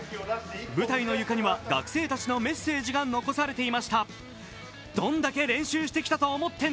舞台の床には学生たちのメッセージが残されていました。